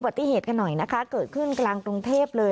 ติเหตุกันหน่อยนะคะเกิดขึ้นกลางกรุงเทพเลย